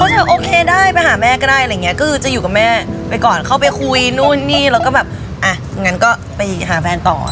อ๋อเธอโอเคได้ไปหาแม่ก็ได้คือจะอยู่กับแม่ไปก่อนเข้าไปคุยโน้นนี่แล้วก็แบบอะอย่างงั้นก็ไปหาแฟนต่อ